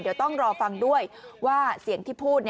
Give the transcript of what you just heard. เดี๋ยวต้องรอฟังด้วยว่าเสียงที่พูด